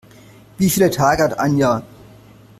Wie viele Tage hat ein Jahr?